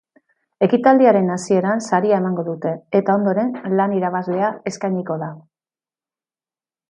Ekitaldiaren hasieran saria emango dute, eta ondoren lan irabazlea eskainiko da.